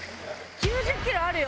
９０キロぐらいあるよ。